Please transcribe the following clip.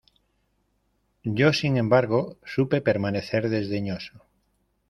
yo, sin embargo , supe permanecer desdeñoso.